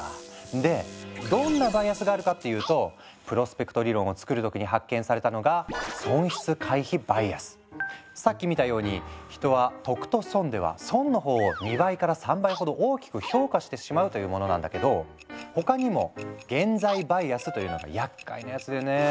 でどんなバイアスがあるかっていうとプロスペクト理論を作る時に発見されたのがさっき見たように人は得と損では損の方を２倍から３倍ほど大きく評価してしまうというものなんだけど他にも現在バイアスというのがやっかいなやつでね。